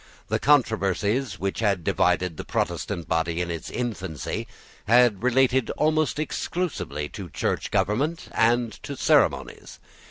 The controversies which had divided the Protestant body in its infancy had related almost exclusively to Church government and to ceremonies.